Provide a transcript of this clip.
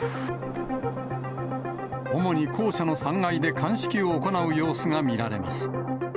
主に校舎の３階で鑑識を行う様子が見られます。